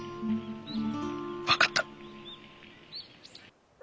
分かった。